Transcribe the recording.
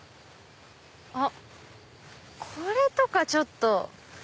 あっこれとかちょっと。